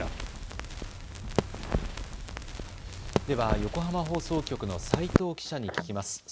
では横浜放送局の齋藤記者に聞きます。